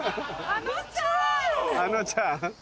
あのちゃん。